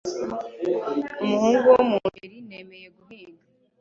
umuhungu wo mu ngeri nemeye guhiga